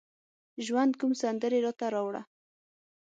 ژوند کوم سندرې راته راوړه